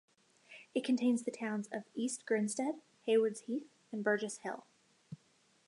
It contains the towns of East Grinstead, Haywards Heath and Burgess Hill.